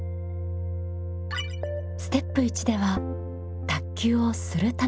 ステップ１では卓球を「する」